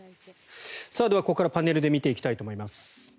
では、ここからパネルで見ていきたいと思います。